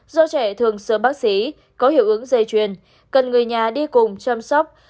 do trẻ thường sửa bác sĩ có hiệu ứng dây chuyên cần người nhà đi cùng chăm sóc